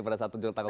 pada saat tujuh tahun